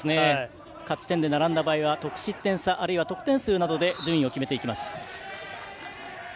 勝ち点で並んだ場合は得失点差、あるいは得点で順位を決めます。